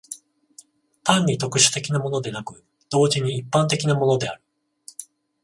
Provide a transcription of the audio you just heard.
単に特殊的なものでなく、同時に一般的なものである。